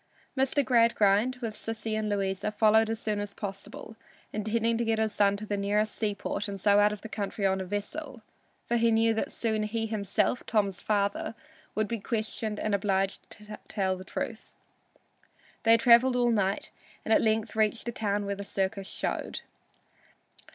Mr. Gradgrind, with Sissy and Louisa, followed as soon as possible, intending to get his son to the nearest seaport and so out of the country on a vessel, for he knew that soon he himself, Tom's father, would be questioned and obliged to tell the truth. They traveled all night, and at length reached the town where the circus showed.